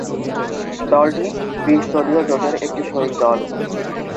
দলটি বিশ দলীয় জোটের একটি শরীক দল।